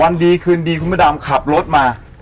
วันดีคืนดีคุณพระดำขับรถมา